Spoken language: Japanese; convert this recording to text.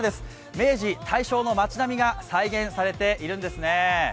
明治・大正の街並みが再現されているんですね。